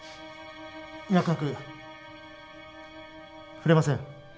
脈拍ふれません。